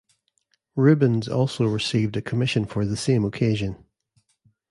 Rubens also received a commission for the same occasion.